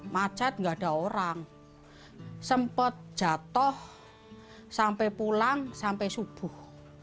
macet nggak ada orang sempat jatuh sampai pulang sampai subuh